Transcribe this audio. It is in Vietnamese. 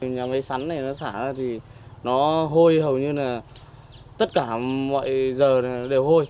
nhà máy sắn này nó xả ra thì nó hôi hầu như là tất cả mọi giờ đều hôi